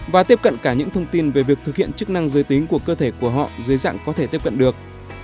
và tiếp cận cả những thông tin về việc thực hiện chức năng giới tính của cơ thể của họ dưới dạng có thể tiếp cận được